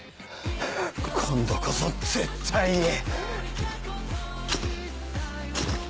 今度こそ絶対に。